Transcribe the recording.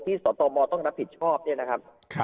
ที่ตตมต้องรับผิดชอบเนี้ยนะครับครับ